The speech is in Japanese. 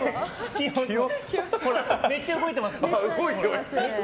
ほら、めっちゃ動いてます。